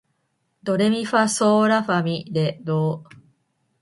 ドレミファソーラファ、ミ、レ、ドー